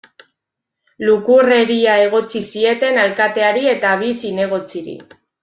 Lukurreria egotzi zieten alkateari eta bi zinegotziri.